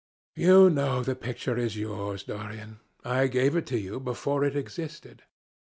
"You know the picture is yours, Dorian. I gave it to you before it existed."